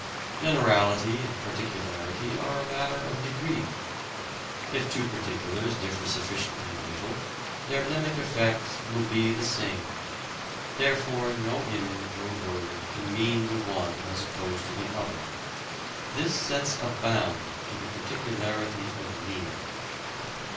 Generality and particularity are a matter of degree. If two particulars differ sufficiently little, their mnemic effects will be the same; therefore no image or word can mean the one as opposed to the other; this sets a bound to the particularity of meaning.